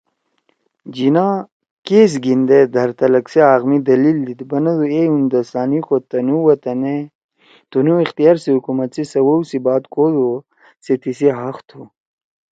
جناح کیس گھیِندے دھرتلک سی حق می دلیل دیِد، بنَدُو اے ہندوستانی کو تنُو وطنے تنُو اختیار سی حکومت سی سوَؤ سی بات کودُو او سے تیِسی حق تھُو